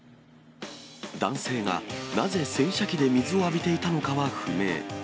男性がなぜ洗車機で水を浴びていたのかは不明。